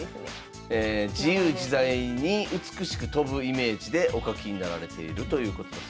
自由自在に美しく飛ぶイメージでお書きになられているということだそうです。